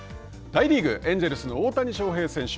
大リーグ、エンジェルスの大谷翔平選手